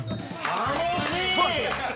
◆楽しい！